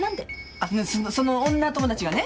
あっそのその女友達がね。